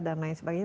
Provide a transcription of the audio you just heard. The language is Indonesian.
dan lain sebagainya